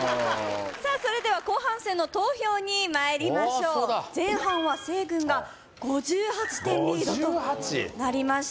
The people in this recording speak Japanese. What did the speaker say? さあそれでは後半戦の投票にまいりましょう前半は西軍が５８点リードとなりました